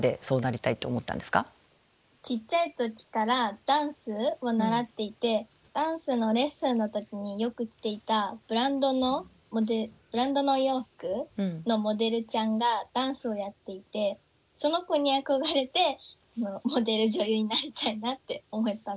ちっちゃい時からダンスを習っていてダンスのレッスンの時によく着ていたブランドのお洋服のモデルちゃんがダンスをやっていてその子に憧れてモデル女優になりたいなって思ったのがきっかけです。